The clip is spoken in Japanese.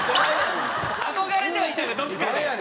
憧れてはいたんだどこかで。